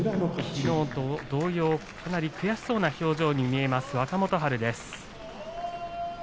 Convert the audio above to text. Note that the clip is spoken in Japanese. きのうと同様、かなり悔しそうな表情が見えます